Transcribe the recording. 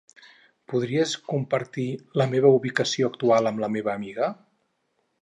Podries compartir la meva ubicació actual amb la meva amiga?